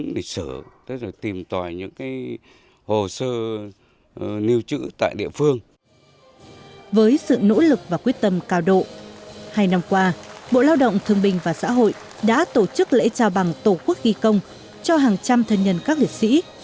với sự nỗ lực và quyết tâm cao độ hai năm qua bộ lao động thương bình và xã hội đã tổ chức lễ trao bằng tổ quốc ghi công cho hàng trăm thân nhân các liệt sĩ